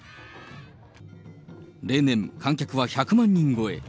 例年、観客は１００万人超え。